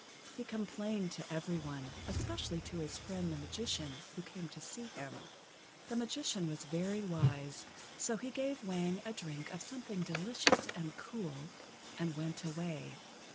He complained to every one, especially to his friend the Magician who came to see him. The Magician was very wise, so he gave Wang a drink of something delicious and cool, and went away.